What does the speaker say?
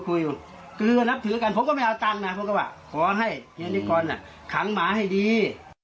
ก็นับถือกันเพราะว่าไม่เอาตังขอให้เฮรี่นิคอลคั้งหมาให้ดี